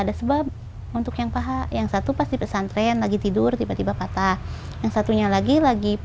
ada sebab untuk yang paha yang satu pas di pesantren lagi tidur tiba tiba patah yang satunya lagi lagi